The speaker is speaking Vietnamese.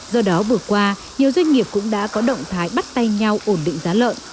do đó vừa qua nhiều doanh nghiệp cũng đã có động thái bắt tay nhau ổn định giá lợn